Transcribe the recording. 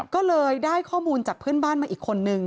ก็เลยได้ข้อมูลจากเพื่อนบ้านมาอีกคนนึง